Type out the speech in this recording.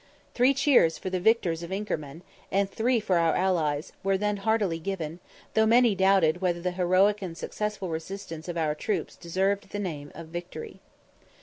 Three cheers for the victors of Inkermann, and three for our allies, were then heartily given, though many doubted whether the heroic and successful resistance of our troops deserved the name of victory.